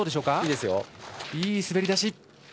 いい滑り出し。